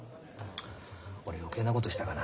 俺余計なことしたかな。